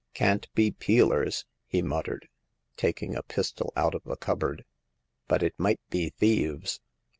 " Can't be peelers,*' he muttered, taking a pis tol out of a cupboard, " but it might be thieves.